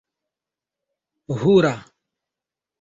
hura